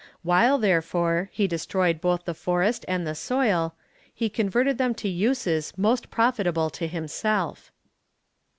While, therefore, he destroyed both the forest and the soil, he converted them to uses most profitable for himself.